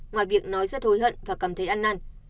ngoài việc nói rất hối hận và cảm thấy ăn năn